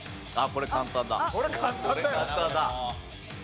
これ簡単だよ。